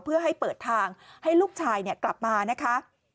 เพื่อให้เปิดทางให้ลูกชายกลับมานะคะ